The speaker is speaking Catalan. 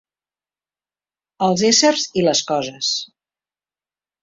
Els éssers i les coses.